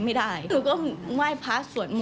บิตต้องเริ่มฟัง